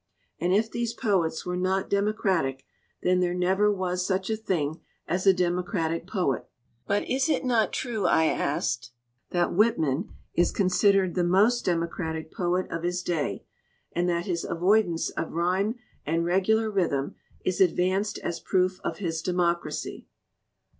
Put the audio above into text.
And if these poets were not democratic, then there never was such a thing as a demo cratic poet." "But is it not true," I asked, "that Whitman is considered the most democratic poet of his day, and that his avoidance of rhyme and regular rhythm is advanced as proof of his democracy?"